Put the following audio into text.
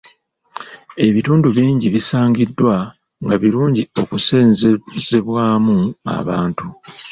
Ebitundu bingi bisangiddwa nga birungi okusenzebwamu abantu.